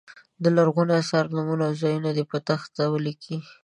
د لرغونو اثارو نومونه او ځایونه دې په تخته ولیکي.